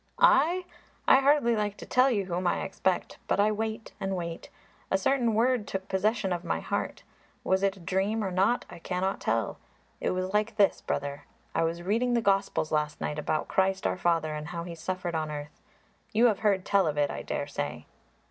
"I? I hardly like to tell you whom I expect. But I wait and wait. A certain word took possession of my heart. Was it a dream or not, I cannot tell. It was like this, brother; I was reading the Gospels last night about Christ our Father and how He suffered on earth. You have heard tell of it, I daresay."